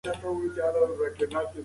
په لومړي سر کې افغاني پوځيانو ماته وخوړه.